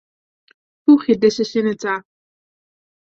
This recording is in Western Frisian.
Foegje dizze side ta.